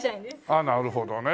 あっなるほどね。